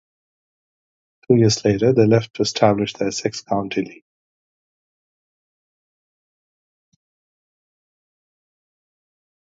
Two years later they left to establish the Essex County League.